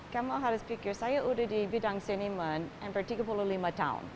kamu harus pikir saya udah di bidang seniman hampir tiga puluh lima tahun